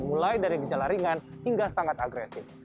mulai dari gejala ringan hingga sangat agresif